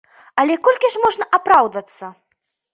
Але колькі ж можна апраўдвацца?